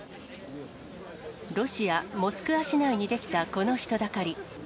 ロシア・モスクワ市内に出来たこの人だかり。